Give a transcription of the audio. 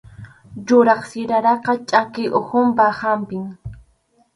Yuraq siraraqa chʼaki uhupaq hampim